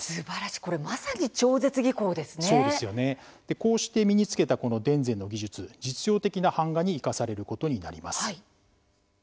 こうして身につけたこの田善の技術実用的な版画に生かされることになります。